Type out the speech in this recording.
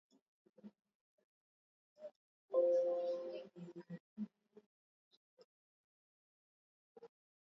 Kiasi cha wanajeshi mia saba na hamsini wa Marekani nchini Somalia kuondoka badala yake wakiruhusiwa waingie nchini humo mara kwa mara.